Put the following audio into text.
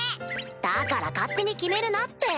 だから勝手に決めるなって。